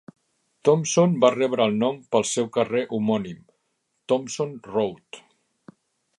Thomson va rebre el nom pel seu carrer homònim, Thomson Road.